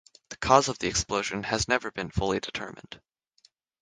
The cause of the explosion has never been fully determined.